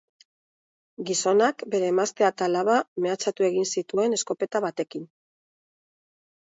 Gizonak bere emaztea eta alaba mehatxatu egin zituen eskopeta batekin.